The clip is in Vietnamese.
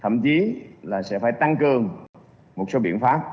thậm chí là sẽ phải tăng cường một số biện pháp